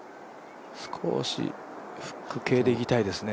少しフック系でいきたいですね。